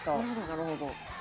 なるほど」